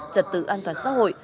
trật tự an toàn xã hội